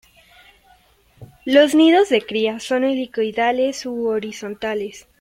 Los nidos de cría son helicoidales u horizontales.